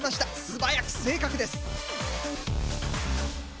素早く正確です。